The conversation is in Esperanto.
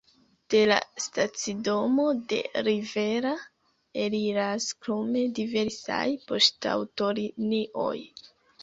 De la stacidomo de Rivera eliras krome diversaj poŝtaŭtolinioj.